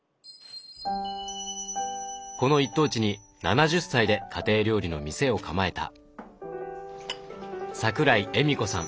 この一等地に７０歳で家庭料理の店を構えた桜井莞子さん